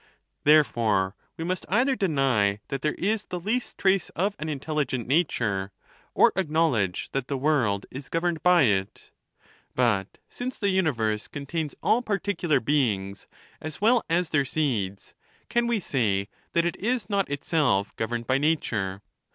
Therefore we must either deny that there lis the least trace of an intelligent nature, or acknowledge 'that the world is governed by it. But since the universe THE NATUEE OF THE GODS. 281 contains all particular beings, as well as their seeds, can we say that it is not itself governed by nature?